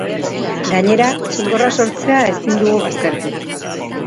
Gainera, txingorra sortzea ezin dugu baztertu.